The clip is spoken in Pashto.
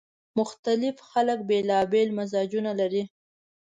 مختلف خلک بیلابېل مزاجونه لري